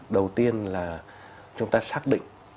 đầu tiên là chúng ta xác định